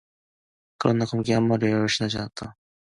그러나 검정개 한 마리 얼씬하지 않았다.